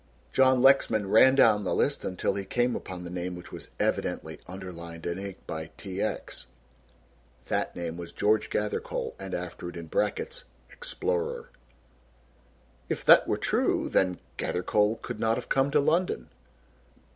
John Lexman ran down the list until he came upon the name which was evidently underlined in ink by T. X. That name was George Gathercole and after it in brackets (Explorer). "If that were true, then, Gathercole could not have come to London."